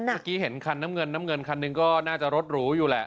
เมื่อกี้เห็นคันน้ำเงินน้ำเงินคันหนึ่งก็น่าจะรถหรูอยู่แหละ